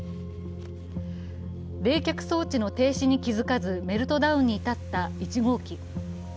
冷却装置の停止に気付かず、メルトダウンに至った１号機。